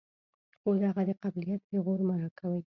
خو دغه د قبيلت پېغور مه راکوئ.